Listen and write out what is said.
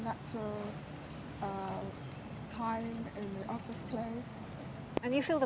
ya saya merasakan keuntungan